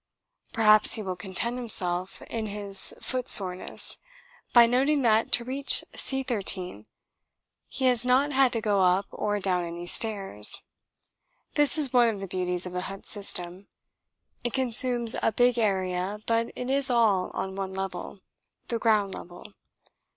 Perhaps he will content himself in his footsoreness by noting that, to reach C 13, he has not had to go up or down any stairs. This is one of the beauties of the hut system. It consumes a big area, but it is all on one level the ground level.